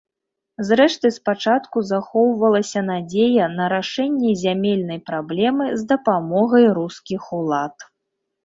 Зрэшты спачатку захоўвалася надзея на рашэнне зямельнай праблемы з дапамогай рускіх улад.